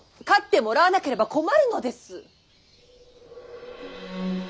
勝ってもらわなければ困るのです！